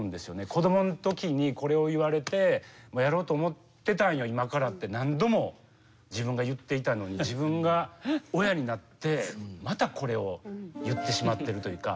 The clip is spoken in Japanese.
子どものときにこれを言われて「やろうと思ってたんや今から」って何度も自分が言っていたのに自分が親になってまたこれを言ってしまってるというか。